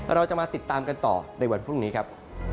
เราจะมาติดตามกันต่อในวันพรุ่งนี้ครับ